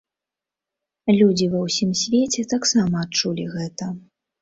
Людзі ва ўсім свеце таксама адчулі гэта.